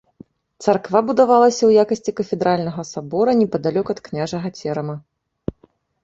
Царква будавалася ў якасці кафедральнага сабора непадалёк ад княжага церама.